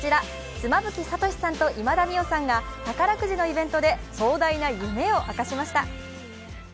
妻夫木聡さんと今田美桜さんが宝くじのイベントで壮大な夢を明かしました。